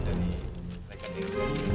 dari rekening nyonya